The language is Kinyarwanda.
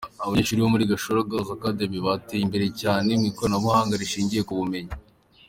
Abanyeshuri bo muri Gashora Girls Academy bateye imbere cyane mu ikoranabuhanga rishingiye ku bumenyi.